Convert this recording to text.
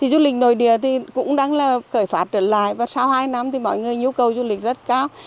du lịch nội địa cũng đang là khởi phát trở lại và sau hai năm mọi người nhu cầu du lịch rất cao